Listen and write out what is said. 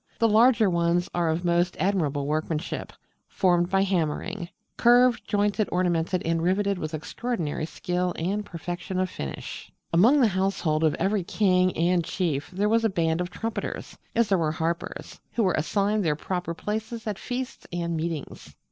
The larger ones are of most admirable workmanship, formed by hammering; curved, jointed, ornamented, and riveted with extraordinary skill and perfection of finish. Among the household of every king and chief there was a band of trumpeters as there were harpers who were assigned their proper places at feasts and meetings.